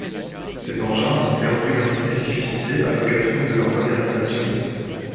Ces engins ont perdu leurs spécificités à l'occasion de leur modernisation.